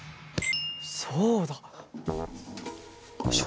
そうだ！